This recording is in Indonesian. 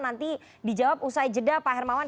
nanti dijawab usai jeda pak hermawan